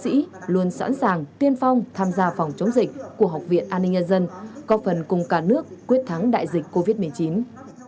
đây là hoạt động quan trọng nằm trong kế hoạch của học viện an ninh nhân dân về tăng cường lực lượng làm nhiệm vụ hỗ trợ phòng chống dịch covid một mươi chín tại các địa bàn vùng đỏ